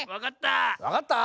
わかった。